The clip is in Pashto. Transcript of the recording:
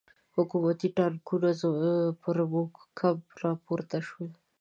حکومتي ټانګونه پر زموږ کمپ را پورته شول.